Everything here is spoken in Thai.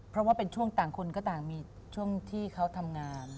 เพราะว่าเป็นช่วงต่างคนก็ต่างมีช่วงที่เขาทำงาน